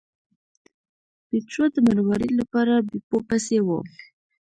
پیټرو د مروارید لپاره بیپو پسې و.